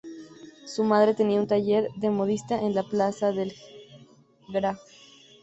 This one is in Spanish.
Su madre tenía un taller de modista en la plaza del Gra.